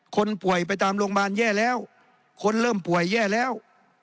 คนป่วยไปตามโรงพยาบาลแย่แล้วคนเริ่มป่วยแย่แล้ว